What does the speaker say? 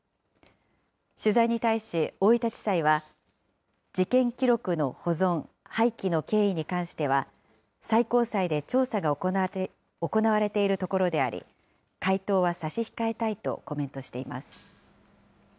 取材に対し、大分地裁は、事件記録の保存、廃棄の経緯に関しては、最高裁で調査が行われているところであり、回答は差し控えたいとコメントしています。